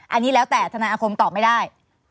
อันนี้แล้วแต่ทนายอาคมตอบไม่ได้